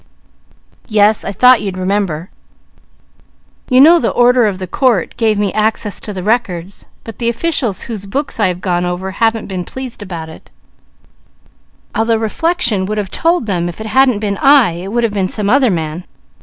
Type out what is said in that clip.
Yes. I thought you'd remember. You know the order of the court gave me access to the records, but the officials whose books I have gone over haven't been pleased about it, although reflection would have told them if it hadn't been I, it would have been some other man.